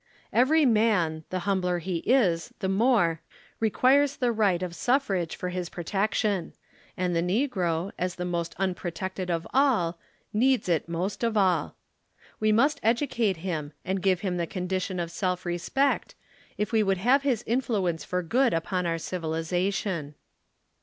Every man the humbler he is the more, requires the right of suf frage for his protection. And the negro, as the most unprotected of all, needs it most of all. "We must edu cate him, and give him the condition of self respect, if we would have his influence for good upon our civilization.